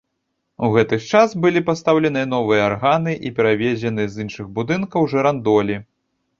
У гэты ж час былі пастаўленыя новыя арганы і перавезеныя з іншых будынкаў жырандолі.